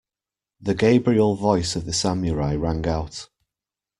The Gabriel voice of the Samurai rang out.